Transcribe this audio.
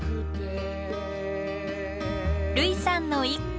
類さんの一句。